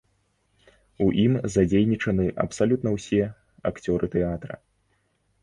У ім задзейнічаны абсалютна ўсе акцёры тэатра.